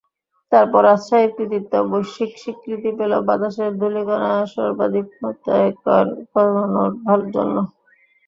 তারপর রাজশাহীর কৃতিত্ব বৈশ্বিক স্বীকৃতি পেল বাতাসের ধূলিকণা সর্বাধিক মাত্রায় কমানোর জন্য।